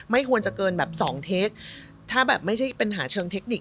ไม่ควรจะเกินแบบสองเทคถ้าแบบไม่ใช่ปัญหาเชิงเทคนิค